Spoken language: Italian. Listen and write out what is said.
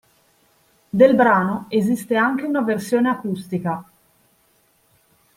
Del brano esiste anche una versione acustica.